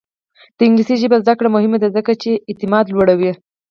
د انګلیسي ژبې زده کړه مهمه ده ځکه چې اعتماد لوړوي.